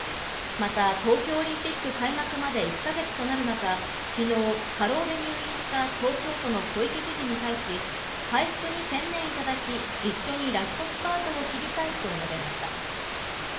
また東京オリンピック開幕まで１か月となる中、昨日過労で入院した東京都の小池知事に対し、回復に専念いただき、一緒にラストスパートを切りたいと述べました。